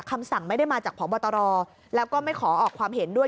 คำสั่งไม่ได้มาจากพบตรแล้วก็ไม่ขอออกความเห็นด้วย